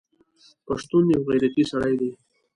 پښتون یوغیرتي سړی دی